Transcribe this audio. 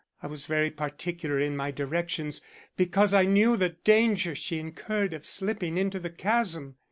I was very particular in my directions, because I knew the danger she incurred of slipping into the chasm.